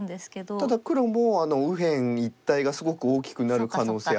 ただ黒も右辺一帯がすごく大きくなる可能性ありますので。